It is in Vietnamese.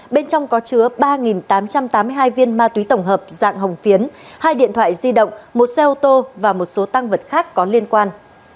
bên trong có chứa ba tám trăm tám mươi hai viên ma túy tổng hợp dạng hồng phiến hai điện thoại di động một xe ô tô và một số tăng vật khác có liên quan